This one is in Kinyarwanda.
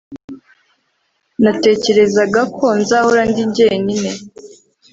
Natekerezaga ko nzahora ndi jyenyine